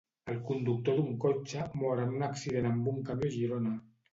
El conductor d'un cotxe mor en un accident amb un camió a Girona.